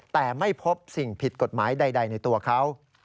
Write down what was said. แต่ไม่พบสิ่งผิดกฎหมายใดในตัวเขา